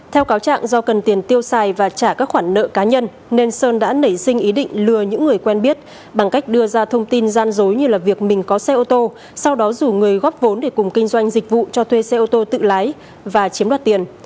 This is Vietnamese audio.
theo cáo trạng do cần tiền tiêu xài và trả các khoản nợ cá nhân nên sơn đã nảy sinh ý định lừa những người quen biết bằng cách đưa ra thông tin gian dối như là việc mình có xe ô tô sau đó rủ người góp vốn để cùng kinh doanh dịch vụ cho thuê xe ô tô tự lái và chiếm đoạt tiền